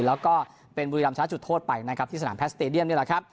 แล้วก็เป็นบุรีรำชนะจุดโทษไปนะครับที่สนามแทสเตดียมนี่แหละครับ